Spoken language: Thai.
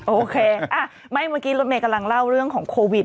โอเคไม่เมื่อกี้รถเมย์กำลังเล่าเรื่องของโควิด